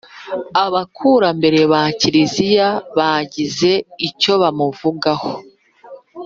abakurambere ba kiliziya bagize icyo bamuvugaho